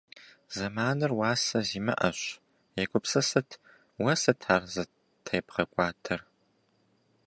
Зэманыр уасэ зимыӏэщ. Егупсысыт, уэ сыт ар зытебгъэкӏуадэр?